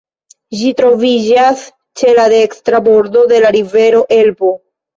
Ĝi troviĝas ĉe la dekstra bordo de la rivero Elbo.